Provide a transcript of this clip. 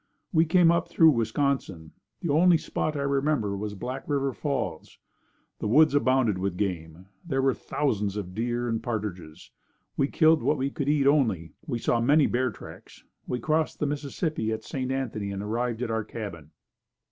We came up through Wisconsin. The only spot I remember was Black River Falls. The woods abounded with game. There were thousands of deer and partridges. We killed what we could eat only. We saw many bear tracks. We crossed the Mississippi at St. Anthony and arrived at our cabin.